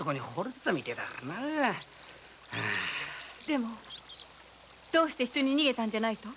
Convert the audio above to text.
でもどうして一緒に逃げたんじゃないと。